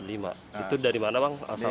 itu dari mana bang